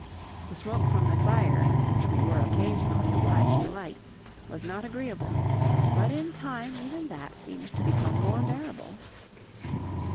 The smoke from the fire, which we were occasionally obliged to light, was not agreeable; but in time even that seemed to become more bearable.